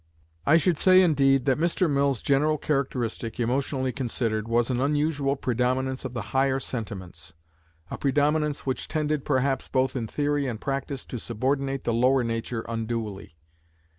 I should say indeed, that Mr. Mill's general characteristic, emotionally considered, was an unusual predominance of the higher sentiments, a predominance which tended, perhaps, both in theory and practice, to subordinate the lower nature unduly.